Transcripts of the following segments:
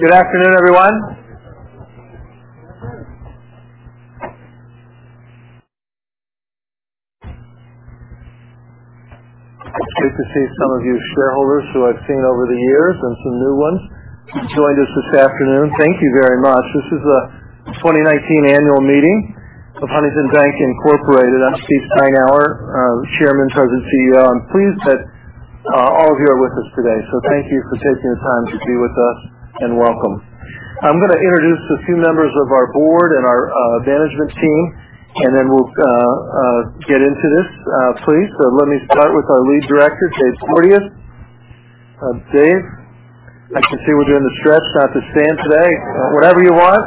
Good afternoon, everyone. It's good to see some of you shareholders who I've seen over the years, and some new ones who joined us this afternoon. Thank you very much. This is the 2019 annual meeting of Huntington Bancshares Incorporated. I'm Steve Steinour, Chairman, President, CEO. I'm pleased that all of you are with us today. Thank you for taking the time to be with us, and welcome. I'm going to introduce a few members of our board and our management team. We'll get into this. Please let me start with our lead director, Dave Porteous. Dave, I can see we're doing the stretch not to stand today. Wherever you want.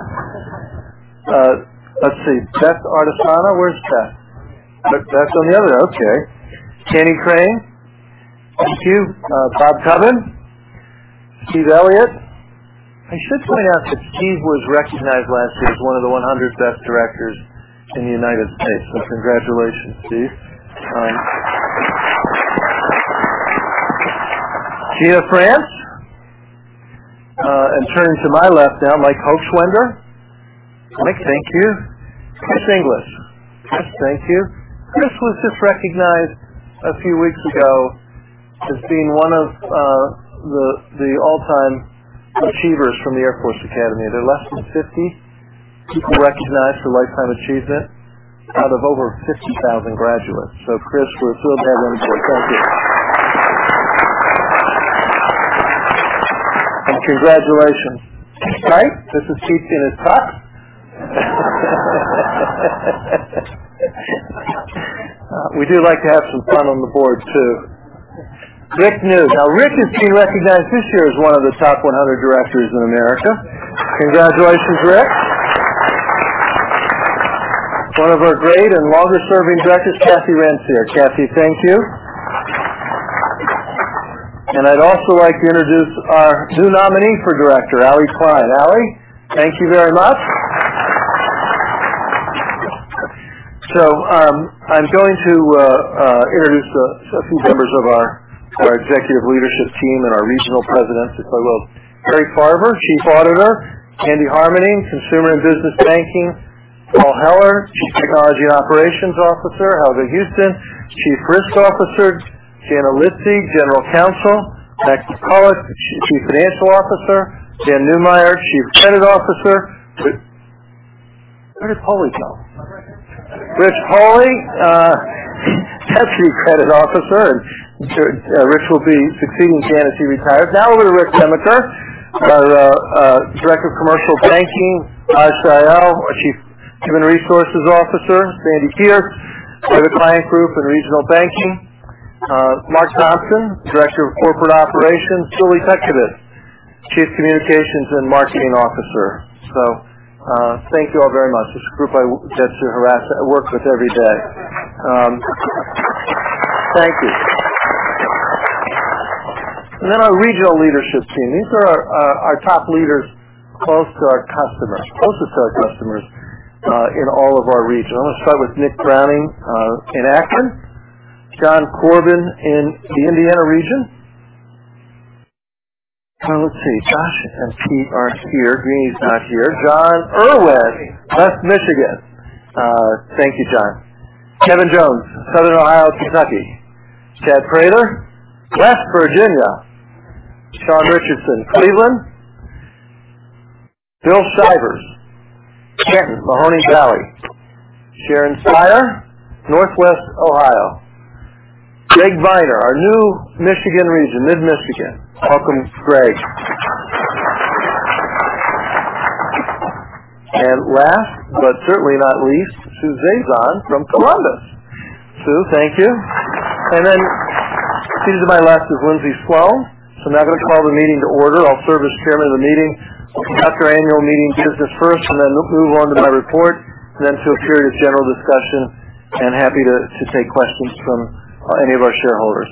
Let's see. Beth Ardisana. Where's Beth? Beth's on the other. Okay. Ann B. Crane. Thank you. Bob Cubbin. Steve Elliott. I should point out that Steve was recognized last year as one of the 100 best directors in the United States. Congratulations, Steve. Gina France. Turning to my left now, Mike Hochschwender. Mike, thank you. Chris Inglis. Chris, thank you. Chris was just recognized a few weeks ago as being one of the all-time achievers from the United States Air Force Academy. There are less than 50 people recognized for lifetime achievement out of over 50,000 graduates. Chris, we're thrilled to have him here. Thank you. Congratulations. Right. This is Steve in a tux. We do like to have some fun on the board, too. Rick Muse. Rick is being recognized this year as one of the top 100 directors in America. Congratulations, Rick. One of our great and longest-serving directors, Kathy Rentschler. Kathy, thank you. I'd also like to introduce our new nominee for Director, Alanna Y. Cotton. Ali, thank you very much. I'm going to introduce a few members of our executive leadership team and our regional presidents as well. Carrie Farber, Chief Auditor. Andy Harmening, Consumer and Business Banking. Paul Heller, Chief Technology and Operations Officer. Helga Houston, Chief Risk Officer. Jana Litsey, General Counsel. Howell McCullough, chief financial officer. Dan Neumeyer, Chief Credit Officer. Where did Holly go? Rich Pohle, deputy credit officer. Rich will be succeeding Dan as she retires. Over to Rick Remiker, our Director of Commercial Banking. Rajeev Syal, our chief human resources officer. Sandy Pierce, Head of Client Group and Regional Banking. Mark Thompson, Director of Corporate Operations. Julie Tutkovics, Chief Communications and Marketing Officer. Thank you all very much. This is a group I get to work with every day. Thank you. Our regional leadership team. These are our top leaders closest to our customers in all of our regions. I want to start with Nick Browning in Akron. John Corbin in the Indiana region. Let's see. Josh and Steve aren't here. Greeny's not here. John Irwin, West Michigan. Thank you, John. Kevin Jones, Southern Ohio, Kentucky. Chad Prater, West Virginia. Sean Richardson, Cleveland. Bill Sivers, Canton, Mahoning Valley. Sharon Speyer, Northwest Ohio. Greg Viener, our new Michigan region, Mid-Michigan. Welcome, Greg. Last, but certainly not least, Sue Zazon from Columbus. Sue, thank you. Sue to my left is Lindsay Squall. Now I'm going to call the meeting to order. I'll serve as Chairman of the meeting. We'll conduct our annual meeting business first. Then move on to my report. Then to a period of general discussion. Happy to take questions from any of our shareholders.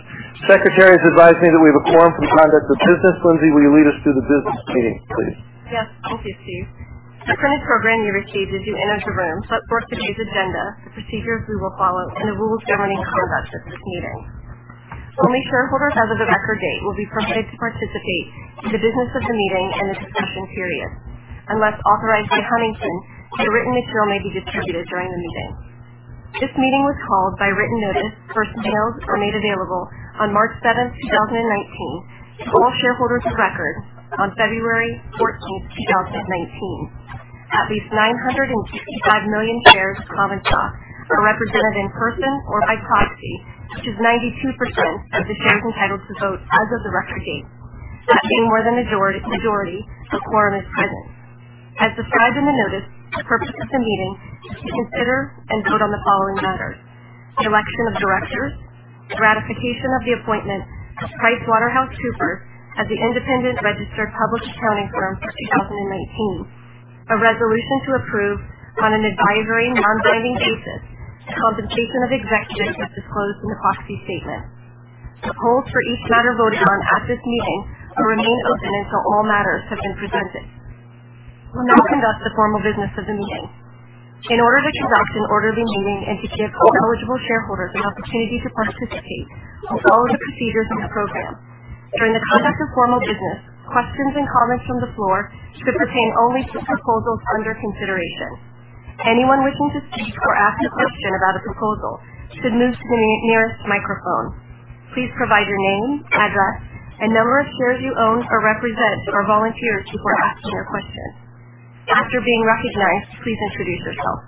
Secretary has advised me that we have a quorum for the conduct of business. Lindsay, will you lead us through the business meeting, please? Yes. Thank you, Steve. The printed program you received as you entered the room sets forth today's agenda, the procedures we will follow, and the rules governing conduct at this meeting. Only shareholders as of the record date will be permitted to participate in the business of the meeting and the discussion period. Unless authorized by Huntington, no written material may be distributed during the meeting. This meeting was called by written notice first mailed or made available on March 7th, 2019, to all shareholders of record on February 14th, 2019. At least 955 million shares of common stock are represented in person or by proxy, which is 92% of the shares entitled to vote as of the record date. That being more than a majority, a quorum is present. As described in the notice, the purpose of the meeting is to consider and vote on the following matters: the election of directors, ratification of the appointment of PricewaterhouseCoopers as the independent registered public accounting firm for 2019, a resolution to approve, on an advisory, non-binding basis, the compensation of executives as disclosed in the proxy statement. The polls for each matter voted on at this meeting will remain open until all matters have been presented. We'll now conduct the formal business of the meeting. In order to conduct an orderly meeting and to give all eligible shareholders an opportunity to participate in all of the procedures of the program. During the conduct of formal business, questions and comments from the floor should pertain only to proposals under consideration. Anyone wishing to speak or ask a question about a proposal should move to the nearest microphone. Please provide your name, address, and number of shares you own or represent or volunteer before asking your question. After being recognized, please introduce yourself.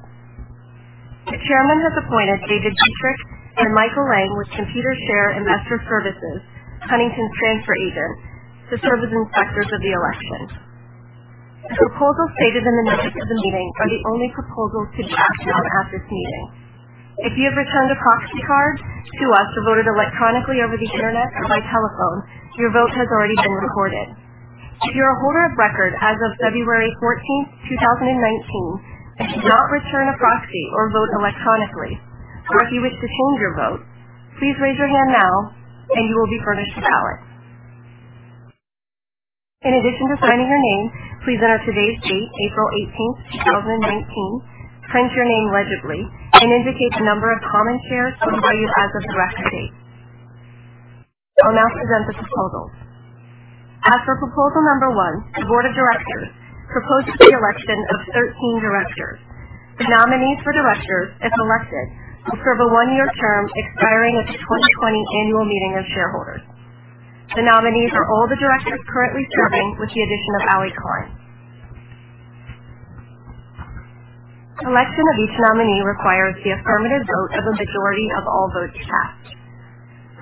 The chairman has appointed David Dietrich and Michael Lang with Computershare Investor Services, Huntington's transfer agent, to serve as inspectors of the election. The proposals stated in the notice of the meeting are the only proposals to be acted on at this meeting. If you have returned a proxy card to us or voted electronically over the internet or by telephone, your vote has already been recorded. If you're a holder of record as of February 14th, 2019, and did not return a proxy or vote electronically, or if you wish to change your vote, please raise your hand now and you will be furnished a ballot. In addition to signing your name, please enter today's date, April 18, 2019, print your name legibly, and indicate the number of common shares you hold as of the record date. I'll now present the proposals. As for proposal number one, the board of directors proposed the election of 13 directors. The nominees for directors, if elected, will serve a one-year term expiring at the 2020 annual meeting of shareholders. The nominees are all the directors currently serving with the addition of Alli Klein. Election of each nominee requires the affirmative vote of a majority of all votes cast.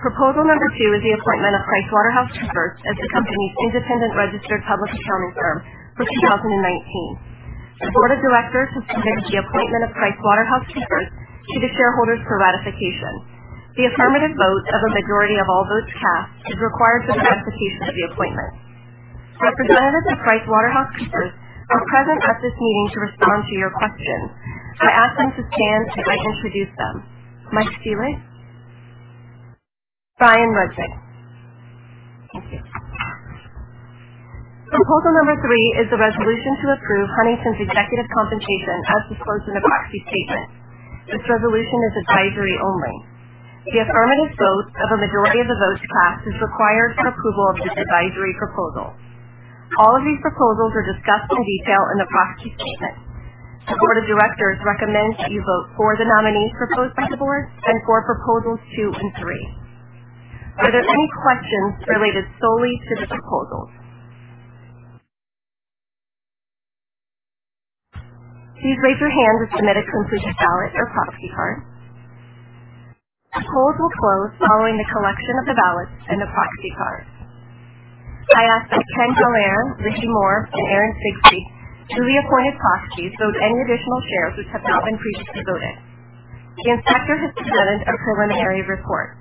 Proposal number 2 is the appointment of PricewaterhouseCoopers as the company's independent registered public accounting firm for 2019. The board of directors has submitted the appointment of PricewaterhouseCoopers to the shareholders for ratification. The affirmative vote of a majority of all votes cast is required for the ratification of the appointment. Representatives of PricewaterhouseCoopers are present at this meeting to respond to your questions. I ask them to stand as I introduce them. Mike Felix. Brian Rudnick. Thank you. Proposal number 3 is a resolution to approve Huntington's executive compensation as disclosed in the proxy statement. This resolution is advisory only. The affirmative vote of a majority of the votes cast is required for approval of this advisory proposal. All of these proposals are discussed in detail in the proxy statement. The board of directors recommends that you vote for the nominees proposed by the board and for proposals 2 and 3. Are there any questions related solely to the proposals? Please raise your hand to submit a completed ballot or proxy card. The polls will close following the collection of the ballots and the proxy cards. I ask that Ken Helmer, Richie Moore, and Richard Cheap, duly appointed proxies, vote any additional shares which have not been previously voted. The inspector has presented a preliminary report.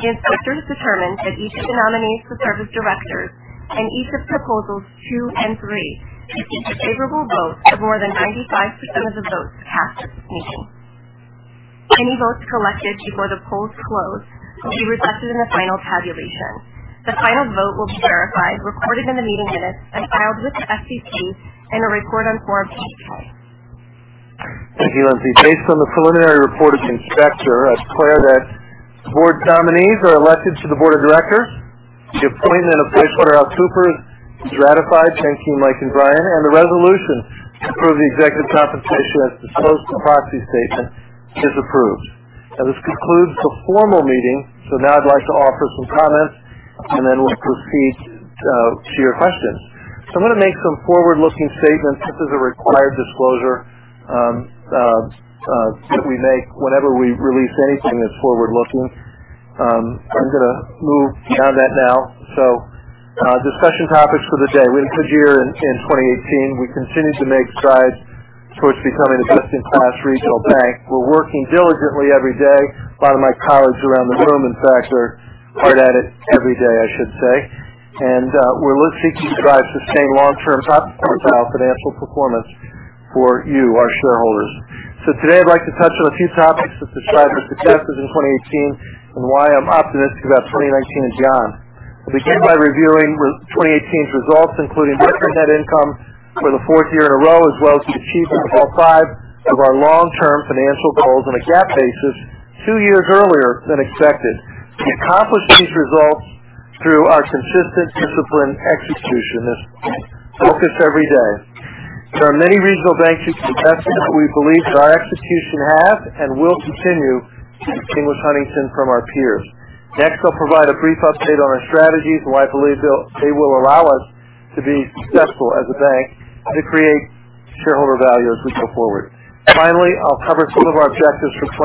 The inspector has determined that each of the nominees to serve as directors and each of proposals 2 and 3 received a favorable vote of more than 95% of the votes cast at this meeting. Any votes collected before the polls close will be reflected in the final tabulation. The final vote will be verified, recorded in the meeting minutes, and filed with the SEC in a report on Form DEF 14A. Thank you, Lindsay. Based on the preliminary report of the inspector, I declare that the board nominees are elected to the board of directors. The appointment of PricewaterhouseCoopers is ratified. Thank you, Mike and Brian. The resolution to approve the executive compensation as disclosed in the proxy statement is approved. This concludes the formal meeting. I'd like to offer some comments, and then we'll proceed to your questions. I'm going to make some forward-looking statements. This is a required disclosure that we make whenever we release anything that's forward-looking. I'm going to move beyond that now. Discussion topics for the day. We had a good year in 2018. We continued to make strides towards becoming a best-in-class regional bank. We're working diligently every day. A lot of my colleagues around the room, in fact, are hard at it every day, I should say. We're looking to strive to sustain long-term, top-quartile financial performance for you, our shareholders. Today, I'd like to touch on a few topics that describe the successes in 2018 and why I'm optimistic about 2019 and beyond. I'll begin by reviewing 2018's results, including record net income for the fourth year in a row, as well as the achievement of all five of our long-term financial goals on a GAAP basis two years earlier than expected. We accomplished these results through our consistent, disciplined execution. This focus every day. There are many regional banks who compete, but we believe that our execution has and will continue to distinguish Huntington from our peers. Next, I'll provide a brief update on our strategies and why I believe they will allow us to be successful as a bank and to create shareholder value as we go forward. Finally, I'll cover some of our objectives for 2019.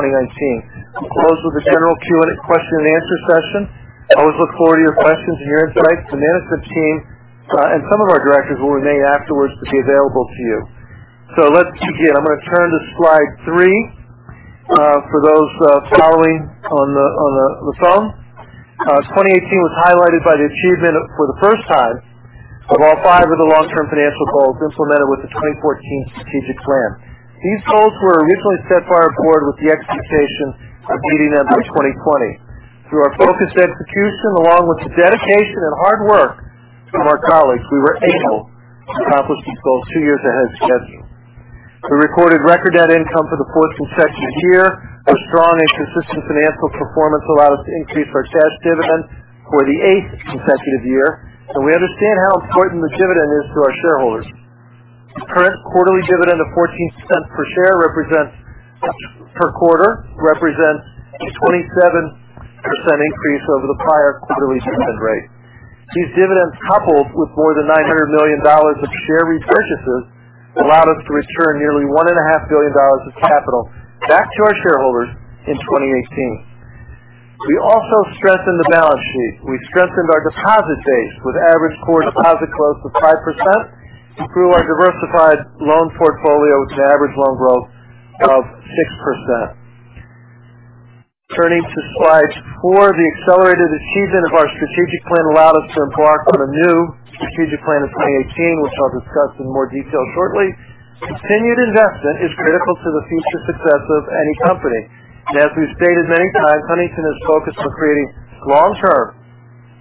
I'll close with a general Q&A, question and answer session. I always look forward to your questions and your insights. The management team and some of our directors will remain afterwards to be available to you. Let's begin. I'm going to turn to slide three for those following on the phone. 2018 was highlighted by the achievement for the first time of all five of the long-term financial goals implemented with the 2014 strategic plan. These goals were originally set by our board with the expectation of beating them by 2020. Through our focused execution, along with the dedication and hard work from our colleagues, we were able to accomplish these goals two years ahead of schedule. We recorded record net income for the fourth consecutive year. Our strong and consistent financial performance allowed us to increase our cash dividend for the eighth consecutive year, and we understand how important the dividend is to our shareholders. The current quarterly dividend of $0.14 per quarter represents a 27% increase over the prior quarterly dividend rate. These dividends, coupled with more than $900 million of share repurchases, allowed us to return nearly $1.5 billion of capital back to our shareholders in 2018. We also strengthened the balance sheet. We strengthened our deposit base with average core deposit growth of 5%, and grew our diversified loan portfolio with an average loan growth of 6%. Turning to slide four, the accelerated achievement of our strategic plan allowed us to embark on a new strategic plan in 2018, which I'll discuss in more detail shortly. Continued investment is critical to the future success of any company. As we've stated many times, Huntington is focused on creating long-term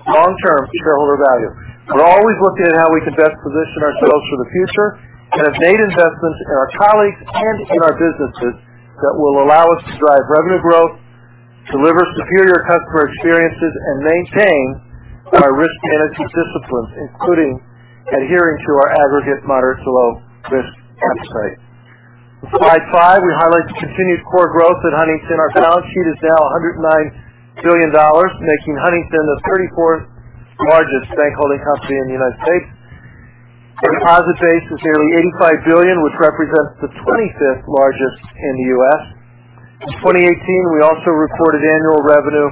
shareholder value. We're always looking at how we can best position ourselves for the future and have made investments in our colleagues and in our businesses that will allow us to drive revenue growth, deliver superior customer experiences, and maintain our risk management disciplines, including adhering to our aggregate moderate to low risk appetite. On slide five, we highlight the continued core growth at Huntington. Our balance sheet is now $109 billion, making Huntington the 34th largest bank holding company in the U.S. Our deposit base is nearly $85 billion, which represents the 25th largest in the U.S. In 2018, we also reported annual revenue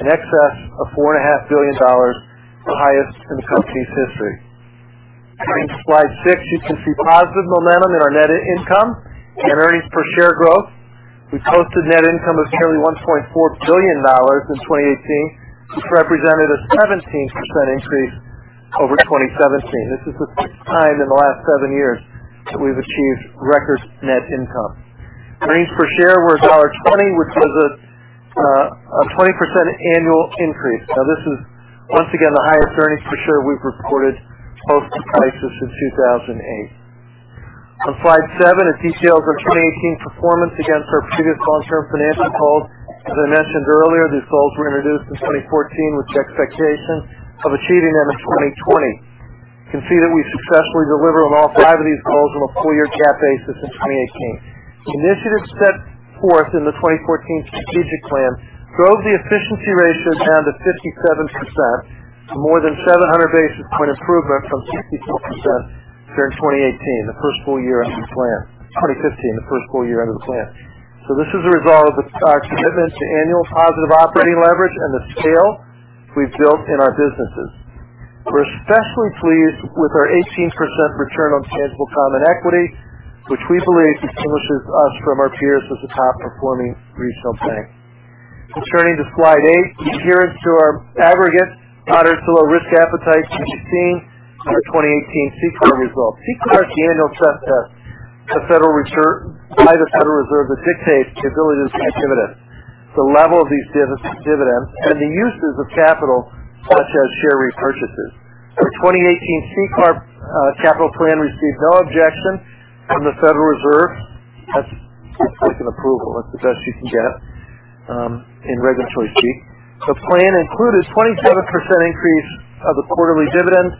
in excess of $4.5 billion, the highest in the company's history. Turning to slide six, you can see positive momentum in our net income and earnings per share growth. We posted net income of nearly $1.4 billion in 2018, which represented a 17% increase over 2017. This is the sixth time in the last seven years that we've achieved record net income. Earnings per share were $1.20, which was a 20% annual increase. This is once again the highest earnings per share we've reported post-crisis since 2008. On slide seven, it details our 2018 performance against our previous long-term financial goals. As I mentioned earlier, these goals were introduced in 2014 with the expectation of achieving them in 2020. You can see that we successfully delivered on all five of these goals on a full year GAAP basis in 2018. Initiatives set forth in the 2014 strategic plan drove the efficiency ratio down to 57%, a more than 700-basis point improvement from 64% during 2015, the first full year under the plan. This is a result of our commitment to annual positive operating leverage and the scale we've built in our businesses. We're especially pleased with our 18% return on tangible common equity, which we believe distinguishes us from our peers as a top-performing regional bank. Turning to slide eight, adherence to our aggregate moderate to low risk appetite can be seen in our 2018 CCAR results. CCAR is the annual stress test by the Federal Reserve that dictates the ability to pay dividends, the level of these dividends, and the uses of capital, such as share repurchases. Our 2018 CCAR capital plan received no objection from the Federal Reserve. That's like an approval. That's the best you can get in regulatory speak. The plan included a 27% increase of the quarterly dividend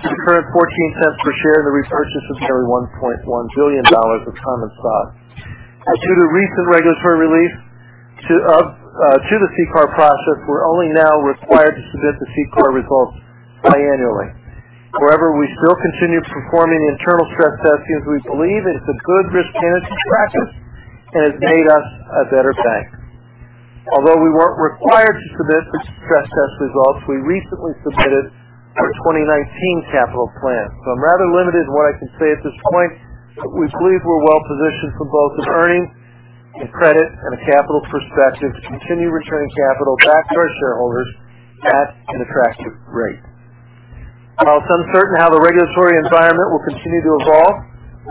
to the current $0.14 per share, and the repurchase of $31.1 billion of common stock. Due to recent regulatory relief to the CCAR process, we're only now required to submit the CCAR results biannually. However, we still continue performing the internal stress tests because we believe it's a good risk management practice and has made us a better bank. Although we weren't required to submit the stress test results, we recently submitted our 2019 capital plan. I'm rather limited in what I can say at this point, but we believe we're well positioned from both an earnings, a credit, and a capital perspective to continue returning capital back to our shareholders at an attractive rate. While it's uncertain how the regulatory environment will continue to evolve,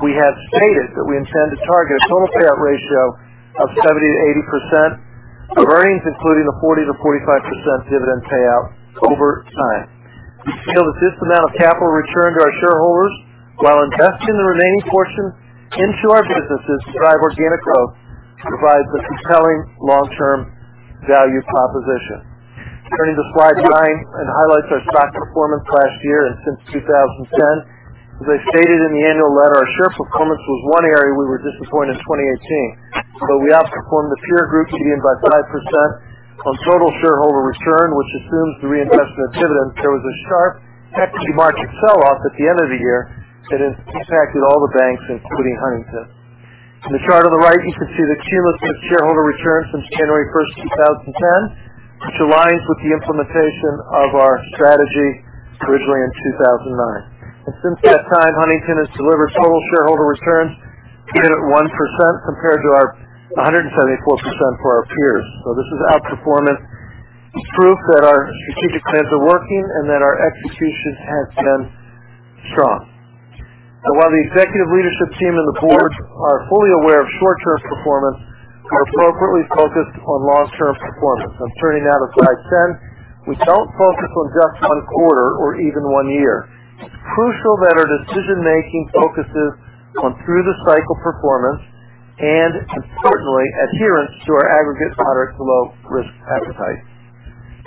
we have stated that we intend to target a total payout ratio of 70%-80%, with earnings including a 40%-45% dividend payout over time. We feel that this amount of capital returned to our shareholders while investing the remaining portion into our businesses to drive organic growth provides a compelling long-term value proposition. Turning to slide nine, it highlights our stock performance last year and since 2010. As I stated in the annual letter, our share performance was one area we were disappointed in 2018. Although we outperformed the peer group to the end by 5% on total shareholder return, which assumes the reinvestment of dividends, there was a sharp equity market sell-off at the end of the year that impacted all the banks, including Huntington. In the chart on the right, you can see the cumulative shareholder return since January 1st, 2010, which aligns with the implementation of our strategy originally in 2009. Since that time, Huntington has delivered total shareholder returns of 81% compared to 174% for our peers. This is outperformance proof that our strategic plans are working and that our execution has been strong. While the executive leadership team and the board are fully aware of short-term performance, we're appropriately focused on long-term performance. I'm turning now to slide 10. We don't focus on just one quarter or even one year. It's crucial that our decision-making focuses on through-the-cycle performance and importantly, adherence to our aggregate product's low risk appetite.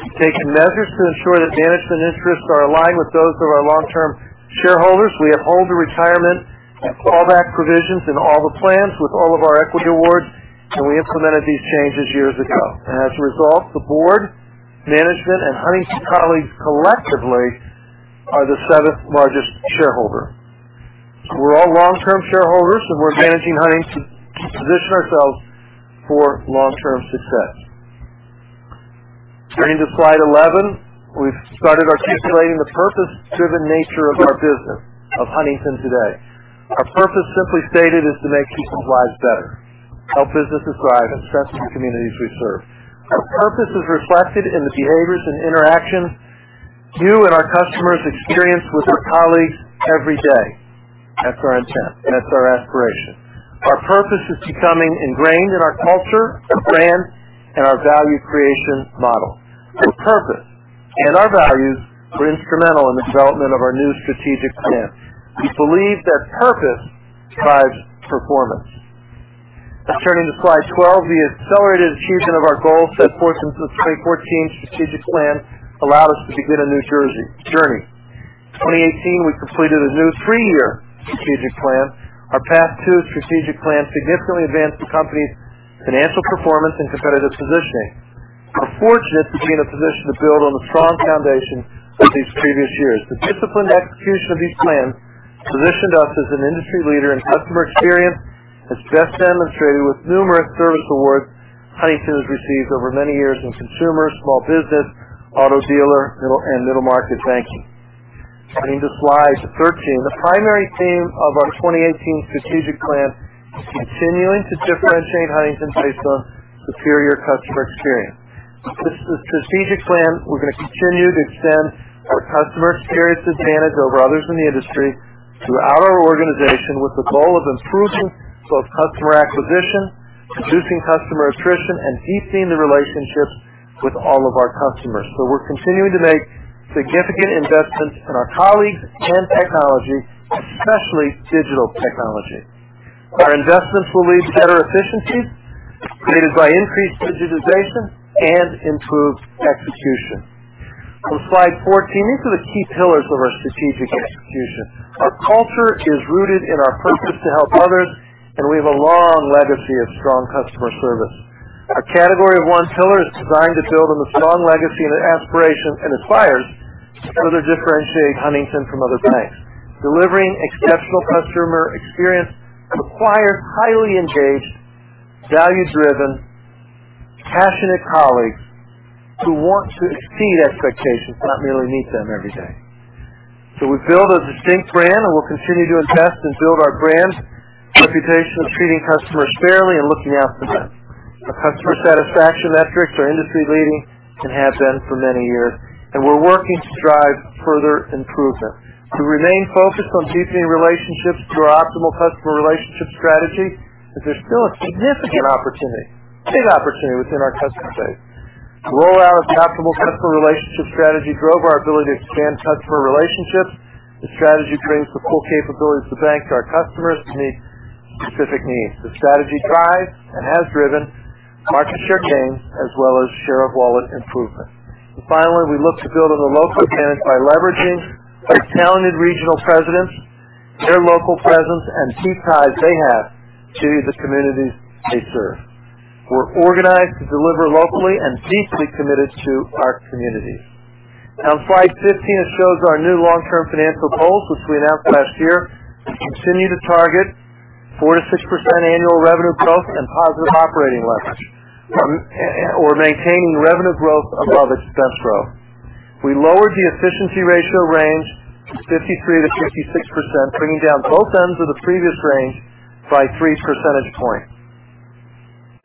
We've taken measures to ensure that management interests are aligned with those of our long-term shareholders. We uphold the retirement callback provisions in all the plans with all of our equity awards, and we implemented these changes years ago. As a result, the board, management, and Huntington colleagues collectively are the seventh largest shareholder. We're all long-term shareholders, and we're managing Huntington to position ourselves for long-term success. Turning to slide 11. We've started articulating the purpose-driven nature of our business of Huntington today. Our purpose, simply stated, is to make people's lives better, help businesses thrive, and strengthen the communities we serve. Our purpose is reflected in the behaviors and interactions you and our customers experience with our colleagues every day. That's our intent, and that's our aspiration. Our purpose is becoming ingrained in our culture, our brand, and our value creation model. Our purpose and our values were instrumental in the development of our new strategic plan. We believe that purpose drives performance. Turning to slide 12. The accelerated achievement of our goals set forth in the 2014 strategic plan allowed us to begin a new journey. In 2018, we completed a new three-year strategic plan. Our Path Two strategic plan significantly advanced the company's financial performance and competitive positioning. We're fortunate to be in a position to build on the strong foundation of these previous years. The disciplined execution of these plans positioned us as an industry leader in customer experience, as best demonstrated with numerous service awards Huntington has received over many years in consumer, small business, auto dealer, and middle-market banking. Turning to slide 13. The primary theme of our 2018 strategic plan is continuing to differentiate Huntington based on superior customer experience. With the strategic plan, we're going to continue to extend our customer experience advantage over others in the industry throughout our organization, with the goal of improving both customer acquisition, reducing customer attrition, and deepening the relationships with all of our customers. We're continuing to make significant investments in our colleagues and technology, especially digital technology. Our investments will lead to better efficiencies created by increased digitization and improved execution. On slide 14, these are the key pillars of our strategic execution. Our culture is rooted in our purpose to help others. We have a long legacy of strong customer service. Our Category 1 pillar is designed to build on the strong legacy and aspirations and aspires to further differentiate Huntington from other banks. Delivering exceptional customer experience requires highly engaged, value-driven, passionate colleagues who want to exceed expectations, not merely meet them every day. We've built a distinct brand, and we'll continue to invest and build our brand reputation of treating customers fairly and looking out for them. Our customer satisfaction metrics are industry leading and have been for many years. We're working to drive further improvement. We remain focused on deepening relationships through our optimal customer relationship strategy as there's still a significant opportunity, big opportunity within our customer base. The rollout of optimal customer relationship strategy drove our ability to expand customer relationships. The strategy brings the full capabilities of the bank to our customers to meet specific needs. The strategy drives and has driven market share gains as well as share of wallet improvement. Finally, we look to build on the local advantage by leveraging our talented regional presidents, their local presence, and deep ties they have to the communities they serve. We're organized to deliver locally and deeply committed to our communities. On slide 15, it shows our new long-term financial goals, which we announced last year. We continue to target 4%-6% annual revenue growth and positive operating leverage. We're maintaining revenue growth above expense growth. We lowered the efficiency ratio range from 53%-56%, bringing down both ends of the previous range by three percentage points.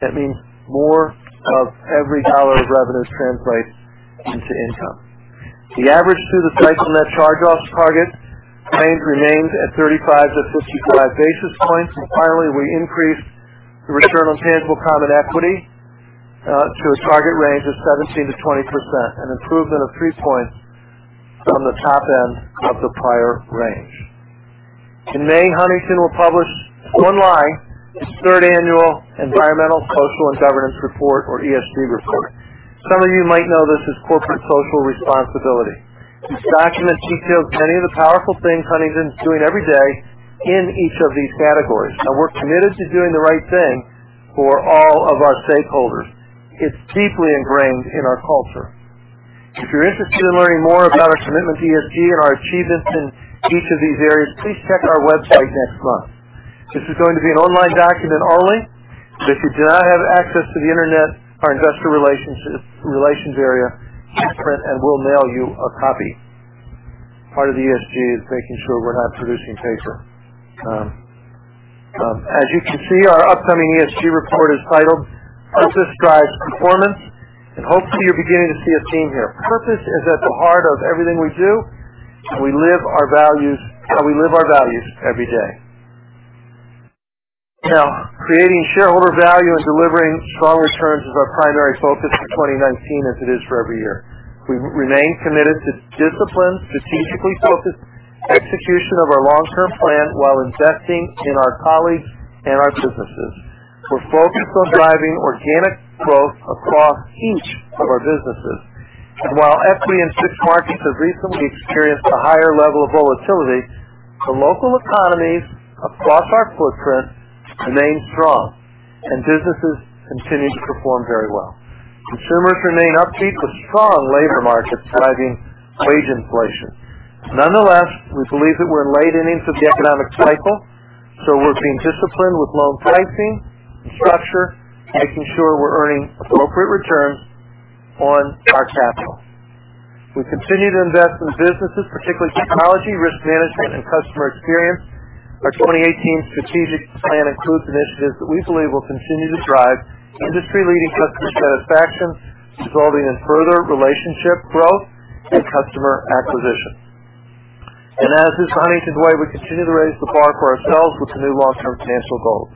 That means more of every dollar of revenue translates into income. The average through-the-cycle net charge-offs target range remains at 35 to 55 basis points. Finally, we increased the return on tangible common equity to a target range of 17%-20%, an improvement of three points from the top end of the prior range. In May, Huntington will publish online its third annual Environmental, Social, and Governance report or ESG report. Some of you might know this as corporate social responsibility. This document details many of the powerful things Huntington's doing every day in each of these categories, and we're committed to doing the right thing for all of our stakeholders. It's deeply ingrained in our culture. If you're interested in learning more about our commitment to ESG and our achievements in each of these areas, please check our website next month. This is going to be an online document only, but if you do not have access to the internet, our investor relations area can print and will mail you a copy. Part of ESG is making sure we're not producing paper. As you can see, our upcoming ESG report is titled "Purpose Drives Performance." Hopefully you're beginning to see a theme here. Purpose is at the heart of everything we do, and we live our values every day. Creating shareholder value and delivering strong returns is our primary focus for 2019, as it is for every year. We remain committed to discipline, strategically focused execution of our long-term plan while investing in our colleagues and our businesses. We're focused on driving organic growth across each of our businesses. While equity in six markets has recently experienced a higher level of volatility, the local economies across our footprint remain strong, and businesses continue to perform very well. Consumers remain upbeat, with strong labor markets driving wage inflation. Nonetheless, we believe that we're in late innings of the economic cycle, so we're being disciplined with loan pricing and structure, making sure we're earning appropriate returns on our capital. We continue to invest in businesses, particularly technology, risk management, and customer experience. Our 2018 strategic plan includes initiatives that we believe will continue to drive industry-leading customer satisfaction, resulting in further relationship growth and customer acquisition. As is Huntington's way, we continue to raise the bar for ourselves with the new long-term financial goals.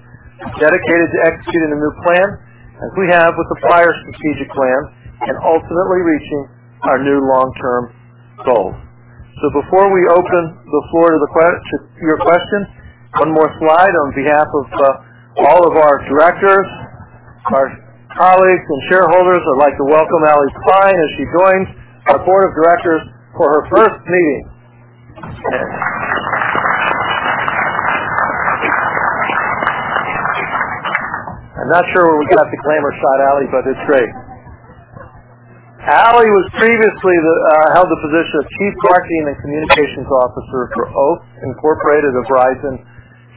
Dedicated to executing the new plan, as we have with the prior strategic plan, and ultimately reaching our new long-term goals. Before we open the floor to your questions, one more slide. On behalf of all of our directors, our colleagues, and shareholders, I'd like to welcome Ally Klein as she joins our board of directors for her first meeting. I'm not sure where we got the glamour shot, Ally, but it's great. Ally previously held the position of chief marketing and communications officer for Oath Inc. of Verizon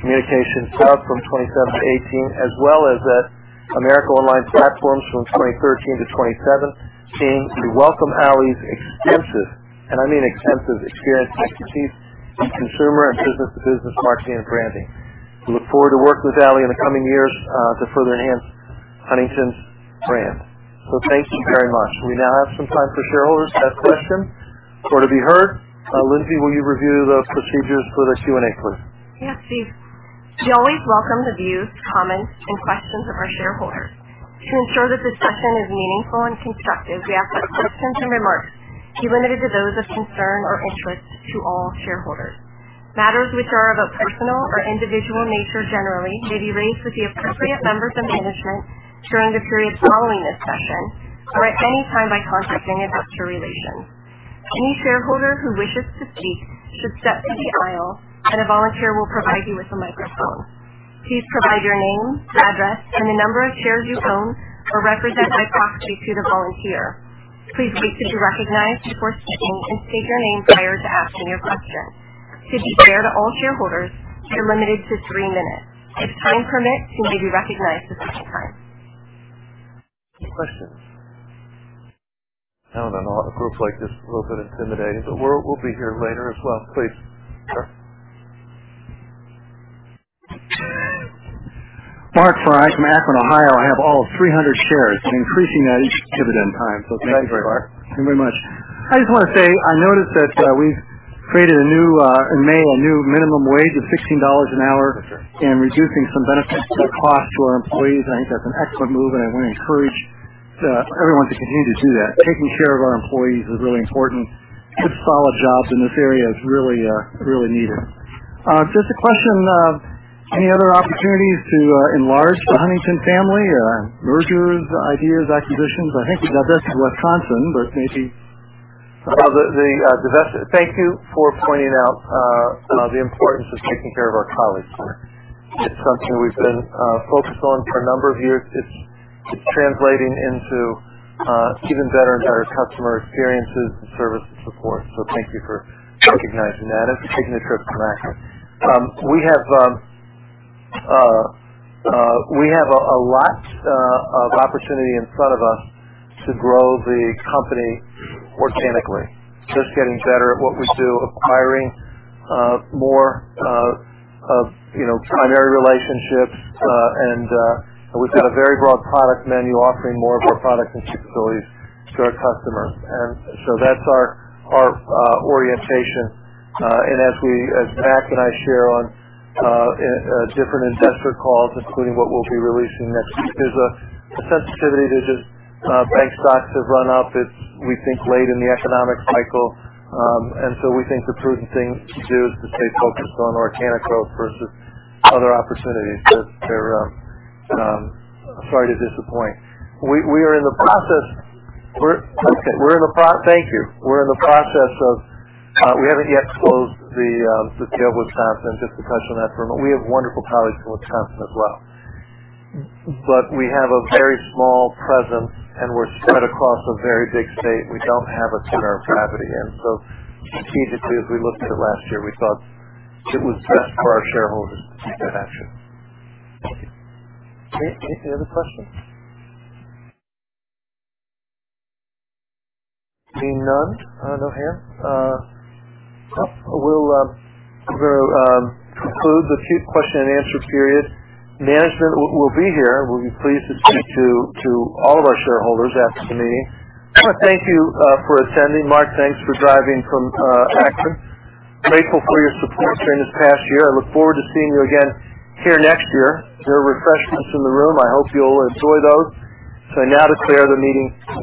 Communications from 2017 to 2018, as well as at AOL Platforms from 2013 to 2017. We welcome Ally's extensive, and I mean extensive, experience in chief consumer and business-to-business marketing and branding. We look forward to working with Ally in the coming years to further enhance Huntington's brand. Thank you very much. We now have some time for shareholders to ask questions. For to be heard, Lindsay, will you review the procedures for the Q&A, please? Yes, Steve. We always welcome the views, comments, and questions of our shareholders. To ensure that the session is meaningful and constructive, we ask that questions and remarks be limited to those of concern or interest to all shareholders. Matters which are of a personal or individual nature, generally, may be raised with the appropriate members of management during the period following this session or at any time by contacting investor relations. Any shareholder who wishes to speak should step to the aisle, and a volunteer will provide you with a microphone. Please provide your name, address, and the number of shares you own or represent by proxy to the volunteer. Please wait to be recognized before speaking and state your name prior to asking your question. To be fair to all shareholders, you're limited to three minutes. If time permits, you may be recognized a second time. Questions? I don't know. A group like this is a little bit intimidating, but we'll be here later as well. Please. Sure.Mark Fry. I'm from Akron, Ohio. I have all of 300 shares and increasing that each dividend time. Thank you. Thank you very much. Thank you very much. I just want to say, I noticed that we've created in May a new minimum wage of $16 an hour and reducing some benefits that cost to our employees. I think that's an excellent move, and I want to encourage everyone to continue to do that. Taking care of our employees is really important. Good, solid jobs in this area is really needed. Just a question, any other opportunities to enlarge the Huntington family? Mergers, ideas, acquisitions? I think we divested Wisconsin. Thank you for pointing out the importance of taking care of our colleagues. It's something we've been focused on for a number of years. It's translating into even better and better customer experiences and service and support. Thank you for recognizing that. It's a signature of Mac. We have a lot of opportunity in front of us to grow the company organically. Just getting better at what we do, acquiring more primary relationships. We've got a very broad product menu offering more of our products and capabilities to our customers. That's our orientation. As Mac and I share on different investor calls, including what we'll be releasing next week, there's a sensitivity to just bank stocks have run up. It's, we think, late in the economic cycle. We think the prudent thing to do is to stay focused on organic growth versus other opportunities. Sorry to disappoint. We haven't yet closed the sale of Wisconsin, just to touch on that for a moment. We have wonderful colleagues from Wisconsin as well. We have a very small presence, and we're spread across a very big state. We don't have a center of gravity. Strategically, as we looked at it last year, we thought it was best for our shareholders to take that action. Any other questions? Seeing none. I don't hear. We'll conclude the few question and answer period. Management will be here. We'll be pleased to speak to all of our shareholders after the meeting. I want to thank you for attending. Mark, thanks for driving from Akron. Grateful for your support during this past year. I look forward to seeing you again here next year. There are refreshments in the room. I hope you'll enjoy those. I now declare the meeting closed.